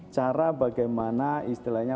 cara bagaimana istilahnya